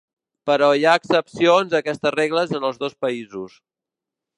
Però hi ha excepcions a aquestes regles en els dos països.